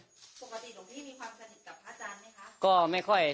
ปกติหลวงพี่มีความสนิทกับพระอาจารย์ไหมคะ